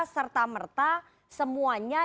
serta merta semuanya